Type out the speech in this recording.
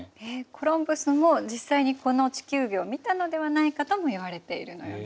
コロンブスも実際にこの地球儀を見たのではないかともいわれているのよね。